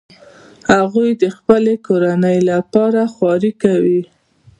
هغوی د خپلې کورنۍ لپاره خواري کوي